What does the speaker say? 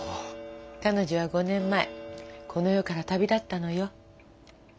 彼女は５年前この世から旅立ったのよ。